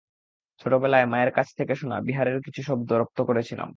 ছোটবেলায় মায়ের কাছ থেকে শোনা বিহারের বেশ কিছু শব্দ রপ্ত করেছিলেন।